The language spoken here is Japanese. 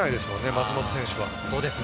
松本選手は。